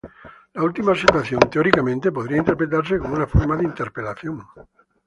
La última situación, teóricamente, podría interpretarse como una forma de interpelación.